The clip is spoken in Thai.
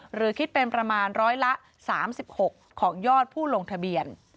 หรือคิดเป็นประมาณร้อยละ๓๖ของยอดผู้ลงทะเบียน